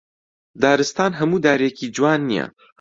دارستان هەموو دارێکی جوان نییە